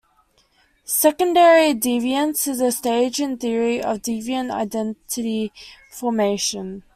Secondary deviance is a stage in a theory of deviant identity formation.